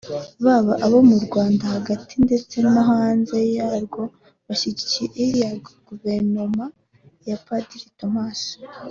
baba abo mu Rwanda hagati ndetse no hanze yarwo bashyigikiye iriya Guverinoma ya Padiri Thomas